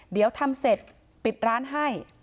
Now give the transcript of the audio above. เดี๋ยวทำเสร็จปิดร้านให้